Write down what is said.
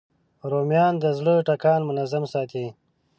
رومیان د زړه ټکان منظم ساتي